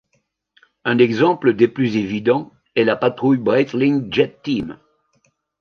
Un exemple des plus évidents est la patrouille Breitling Jet Team.